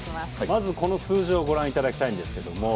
まずこの数字をご覧いただきたいんですけども。